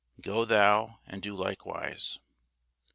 'Go thou and do likewise.'"